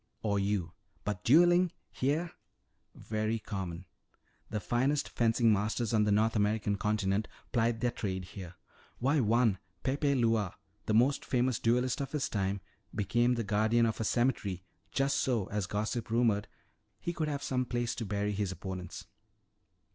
"Or you. But dueling here!" "Very common. The finest fencing masters on the North American continent plied their trade here. Why, one, Pepe Llula, the most famous duelist of his time, became the guardian of a cemetery just so, as gossip rumored, he could have some place to bury his opponents.